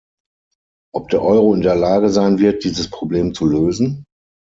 Ob der Euro in der Lage sein wird, dieses Problem zu lösen?